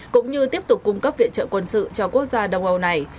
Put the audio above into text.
cũng như tiếp tục cung cấp viện trợ quân sự cho quốc gia đông âu này